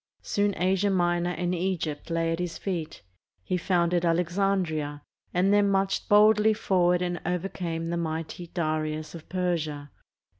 Soon Asia Minor and Egypt lay at his feet. He founded Alexandria, and then marched boldly forward and overcame the mighty Darius of Persia.